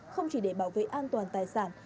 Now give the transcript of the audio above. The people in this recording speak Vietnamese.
không chỉ để bảo vệ an toàn tài sản